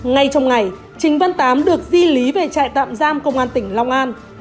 ngay trong ngày trình văn tám được di lý về trại tạm giam công an tỉnh long an